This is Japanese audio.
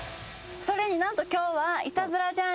それに何と今日は。